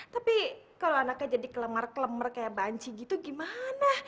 tapi kalau anaknya jadi kelemar kelemar kayak banci gitu gimana